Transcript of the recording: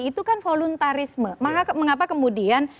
itu kan voluntarisme mengapa kemudian